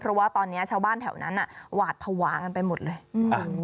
เพราะว่าตอนเนี้ยชาวบ้านแถวนั้นอ่ะหวาดภาวะกันไปหมดเลยอืม